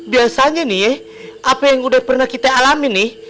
biasanya nih apa yang udah pernah kita alami nih